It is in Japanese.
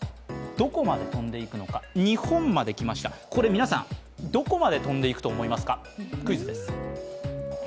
皆さん、どこまで飛んでいくと思いますか、クイズです。